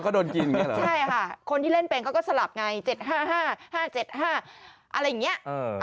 ก็โดนกินอย่างนี้เหรอใช่ค่ะคนที่เล่นเป็นเขาก็สลับไง๗๕๕๗๕อะไรอย่างนี้